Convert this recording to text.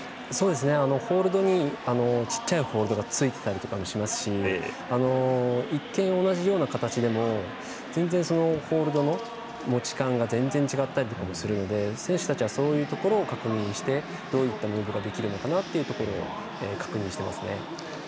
ホールドに小さいホールドがついてたりとかもしますし一見同じような形でも全然、そのホールドの持ち感が全然、違ったりするので選手たちはそういうところを確認してどういったムーブができるのかを確認していますね。